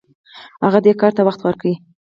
هغه دې کار ته وخت ورکړ.